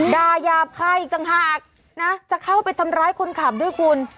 ดาหยาบไข้กังหากจะเข้าไปทำร้ายคนขับด้วยกุญ